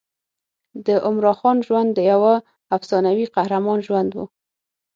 د عمراخان ژوند د یوه افسانوي قهرمان ژوند و.